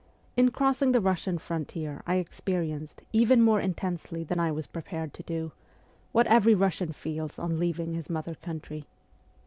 In crossing the Russian frontier I experienced, even more intensely than I w y as prepared to do, what every Russian feels on leaving his mother country.